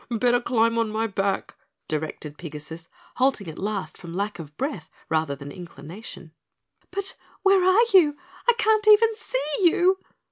"B b b better climb on my back," directed Pigasus, halting at last from lack of breath rather than inclination. "But where are you? I can't even see you!"